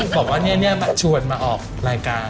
บอกว่าเนี่ยชวนมาออกรายการ